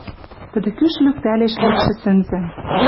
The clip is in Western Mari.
Тӹдӹ кӱш лӱктӓлеш лӱдшӹ сӹнзӓм